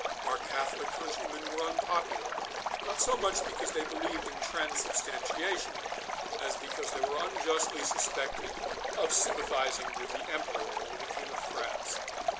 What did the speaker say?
Our Catholic countrymen were unpopular, not so much because they believed in Transubstantiation, as because they were unjustly suspected of sympathising with the Emperor or with the King of France.